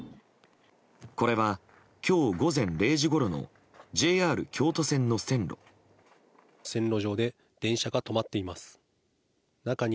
これは、今日午前０時ごろのＪＲ京都線の線路。